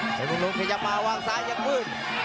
เพชรมึงลุงพยายามมาวางซ้ายังมืด